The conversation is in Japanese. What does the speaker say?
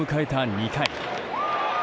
２回。